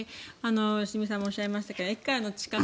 良純さんもおっしゃいましたが駅からの近さ